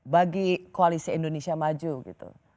bagi koalisi indonesia maju gitu